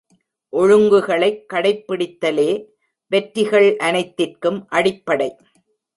ஒழுங்குகளை கடைப்பிடித்தலே வெற்றிகள் அனைத்திற்கும் அடிப்படை.